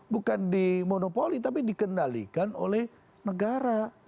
bukan di monopoli tapi dikendalikan oleh negara